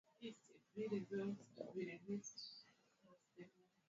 Jeshi la Kaisari Justiniani I wa Bizanti ilirudisha utawala wa